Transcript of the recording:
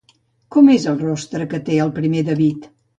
Com és el rostre que té el primer David?